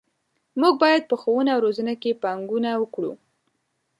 موږ باید په ښوونه او روزنه کې پانګونه وکړو.